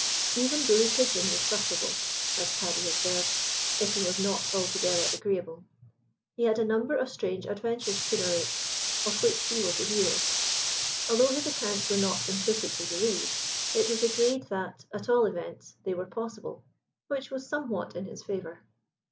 Even Bully Pigeon was sufferable (as Paddy observed), if he was not altogether agreeable. He had a number of strange adventures to narrate, of which he was the hero. Although his accounts were not implicitly believed, it was agreed that, at all events, they were possible, which was somewhat in his favour.